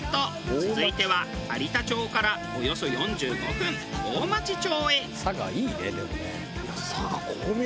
続いては有田町からおよそ４５分大町町へ。